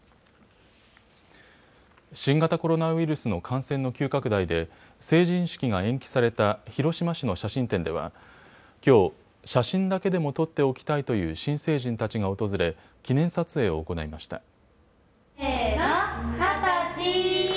新型コロナウイルスの感染の急拡大で成人式が延期された広島市の写真店ではきょう、写真だけでも撮っておきたいという新成人たちが訪れ記念撮影を行いました。